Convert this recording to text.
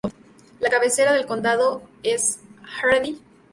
La cabecera del condado es Hardin.